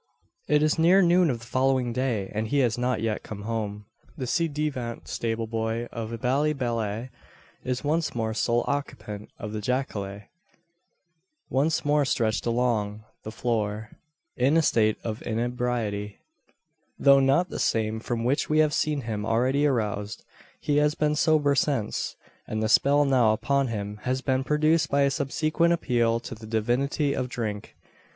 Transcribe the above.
It is near noon of the following day, and he has not yet come home. The ci devant stable boy of Bally ballagh is once more sole occupant of the jacale once more stretched along the floor, in a state of inebriety; though not the same from which we have seen him already aroused. He has been sober since, and the spell now upon him has been produced by a subsequent appeal to the Divinity of drink.